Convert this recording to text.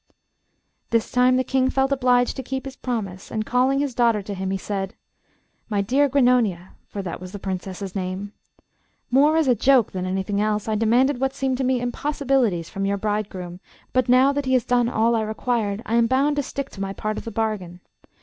This time the King felt obliged to keep his promise, and calling his daughter to him, he said, 'My dear Grannonia,' for that was the Princess's name, 'more as a joke than anything else, I demanded what seemed to me impossibilities from your bridegroom, but now that he has done all I required, I am bound to stick to my part of the bargain.